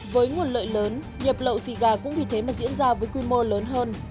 với nguồn lợi lớn nhập lậu xì gà cũng vì thế mà diễn ra với quy mô lớn hơn